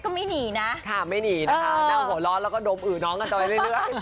ค่ะไม่หนีนะคะนั่งหัวร้อนแล้วก็โดบอื๋อน้องกันต่อไปเรื่อย